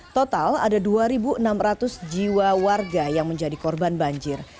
total ada dua enam ratus jiwa warga yang menjadi korban banjir